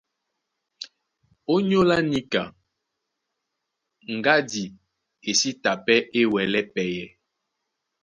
Ónyólá níka, ŋgádi e sí ta pɛ́ é wɛlɛ́ pɛyɛ.